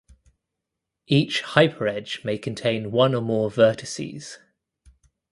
Each hyperedge may contain one or more vertices.